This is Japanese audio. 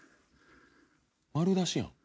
丸出しやん。